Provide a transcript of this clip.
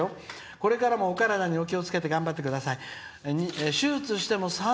これからもお体に気をつけて頑張ってください。